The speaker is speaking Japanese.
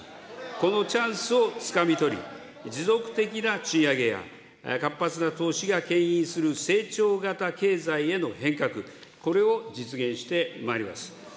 このチャンスをつかみ取り、持続的な賃上げや、活発な投資がけん引する成長型経済への変革、これを実現してまいります。